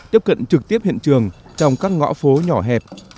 tiếp cận trực tiếp hiện trường trong các ngõ phố nhỏ hẹp